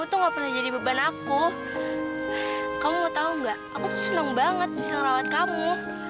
kamu tuh gak pernah jadi beban aku kamu tau gak aku tuh seneng banget bisa ngerawat kamu